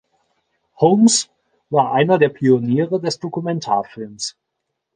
Holmes war einer der Pioniere des Dokumentarfilms.